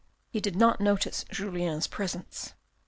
He did not notice Julien's presence.